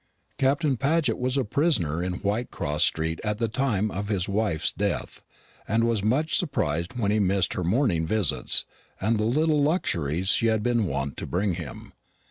Captain Paget was a prisoner in Whitecross street at the time of his wife's death, and was much surprised when he missed her morning visits, and the little luxuries she had been wont to bring him.